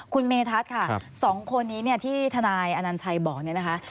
คุณเมทัศน์ค่ะสองคนนี้ที่ทนายอนันชัยบอกเนี่ยนะคะ